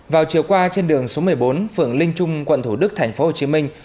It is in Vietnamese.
vào chiều qua trên đường số một mươi bốn phường linh trung quận thủ đức thành phố hồ chí minh